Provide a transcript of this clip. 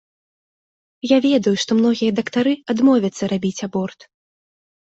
Я ведаю, што многія дактары адмовяцца рабіць аборт.